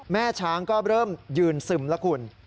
แม่ช้างก็เริ่มยืนซึมแล้วคุณ